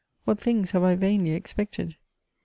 What things have I vainly expected !